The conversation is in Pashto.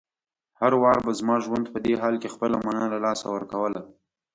هر وار به زما ژوند په دې حال کې خپله مانا له لاسه ورکوله.